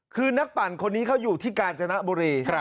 คือนักปั่นคนนี้เขาอยู่ที่กาญจนบุรี